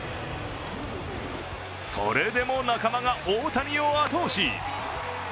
それでも仲間が大谷を後押し。